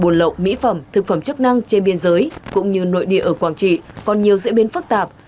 thực phẩm thực phẩm chức năng trên biên giới cũng như nội địa ở quảng trị còn nhiều diễn biến phức tạp